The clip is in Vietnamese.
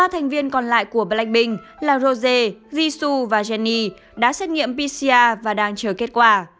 ba thành viên còn lại của blackbin là rose jisu và jenny đã xét nghiệm pcr và đang chờ kết quả